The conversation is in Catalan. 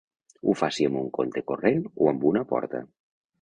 Ho faci amb un compte corrent o amb una porta.